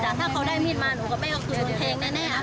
แต่ถ้าเขาได้มีดมาหนูกับแม่ก็คือแทงแน่